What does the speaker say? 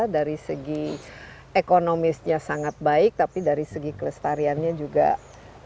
dari segi ekonomisnya sangat baik tapi dari segi kelestariannya juga sangat